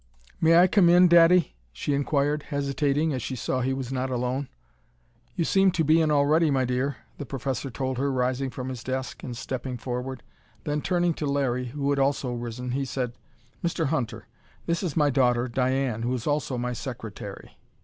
"May I come in, daddy?" she inquired, hesitating, as she saw he was not alone. "You seem to be in already, my dear," the professor told her, rising from his desk and stepping forward. Then, turning to Larry, who had also risen, he said: "Mr. Hunter, this is my daughter, Diane, who is also my secretary."